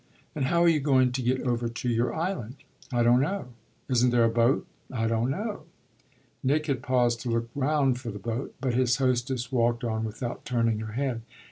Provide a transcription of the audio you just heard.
And how are you going to get over to your island?" "I don't know." "Isn't there a boat?" "I don't know." Nick had paused to look round for the boat, but his hostess walked on without turning her head.